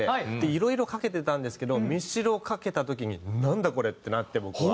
いろいろかけてたんですけどミスチルをかけた時になんだこれ！ってなって僕は。